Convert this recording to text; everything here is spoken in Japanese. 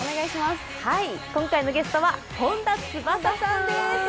今回のゲストは本田翼さんです。